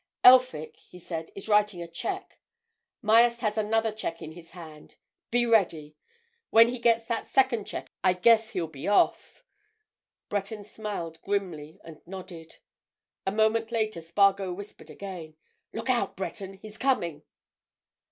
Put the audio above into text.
"Elphick," he said, "is writing a cheque. Myerst has another cheque in his hand. Be ready!—when he gets that second cheque I guess he'll be off." Breton smiled grimly and nodded. A moment later Spargo whispered again. "Look out, Breton! He's coming."